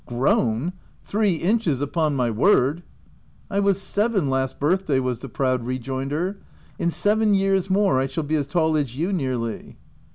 " Grown ! three inches upon my word? 5 '" I was seven last birthday," was the proud rejoinder. " In seven years more, I shall be as tall as you, nearly."